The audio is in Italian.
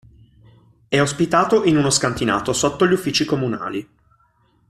È ospitato in uno scantinato sotto gli uffici comunali.